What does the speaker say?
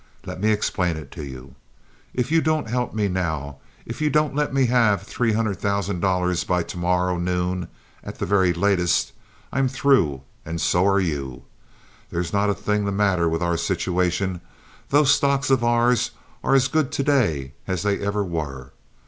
Let me explain it to you. If you don't help me now—if you don't let me have three hundred thousand dollars by to morrow noon, at the very latest, I'm through, and so are you. There is not a thing the matter with our situation. Those stocks of ours are as good to day as they ever were.